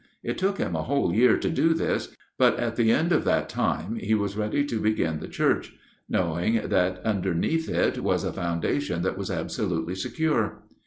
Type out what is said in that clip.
It took him a whole year to do this, but at the end of that time he was ready to begin the church, knowing that underneath it was a foundation that was absolutely secure.